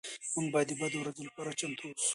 موږ باید د بدو ورځو لپاره چمتو اوسو.